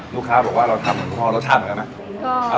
ลูกค้าบอกว่าเราทำเหมือนพ่อรสชาติเหมือนกันไหม